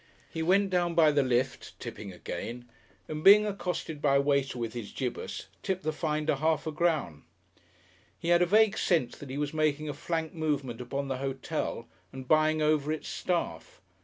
He went down by the lift (tipping again), and, being accosted by a waiter with his gibus, tipped the finder half a crown. He had a vague sense that he was making a flank movement upon the hotel and buying over its staff.